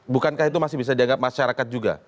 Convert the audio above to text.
bukankah itu masih bisa dianggap masyarakat juga